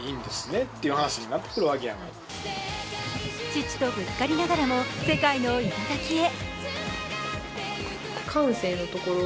父とぶつかり合いながらも、世界の頂へ。